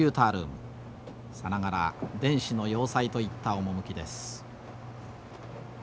さながら電子の要塞といった趣です。